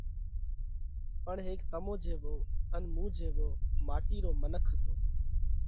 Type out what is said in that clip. پڻ ھيڪ تمون جيوو ان مُون جيوو ماٽِي رو منک ھتو۔